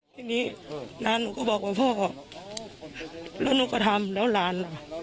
นี่นี้น้านหนูก็บอกว่าเฝ้าแล้วหนูก็ทำแล้วล้าน